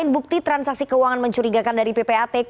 bukti transaksi keuangan mencurigakan dari ppatk